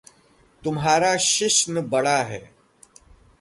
तुम्हारा शिश्न बड़ा है।